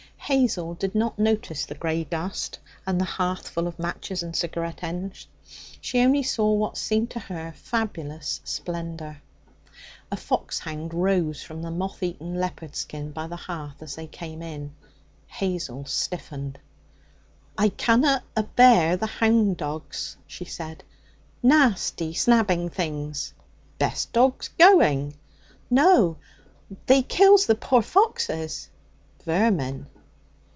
Hazel did not notice the grey dust and the hearth full of matches and cigarette ends. She only saw what seemed to her fabulous splendour. A foxhound rose from the moth eaten leopard skin by the hearth as they came in. Hazel stiffened. 'I canna d abear the hound dogs,' she said. 'Nasty snabbing things.' 'Best dogs going.' 'No, they kills the poor foxes.' 'Vermin.'